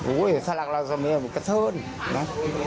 โอ้โหถ้าหลักเราเสมือนก็เชิญนะ